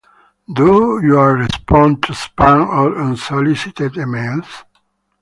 Do your respond to spam or unsolicited emails?